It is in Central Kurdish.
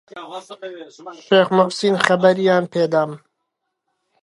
شێخ مەعسووم خەبەریان پێدەدا.